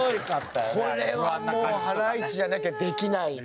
これはもうハライチじゃなきゃできないね